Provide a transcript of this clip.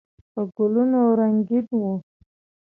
په ګلونو رنګین و.